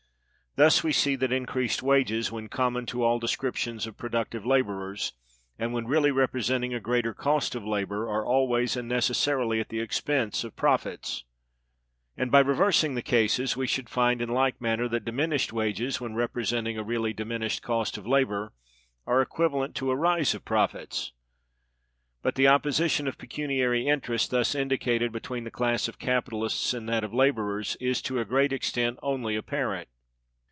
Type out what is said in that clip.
Thus we see that increased wages, when common to all descriptions of productive laborers, and when really representing a greater Cost of Labor, are always and necessarily at the expense of profits. And by reversing the cases, we should find in like manner that diminished wages, when representing a really diminished Cost of Labor, are equivalent to a rise of profits. But the opposition of pecuniary interest thus indicated between the class of capitalists and that of laborers is to a great extent only apparent.